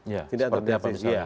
ya seperti apa misalnya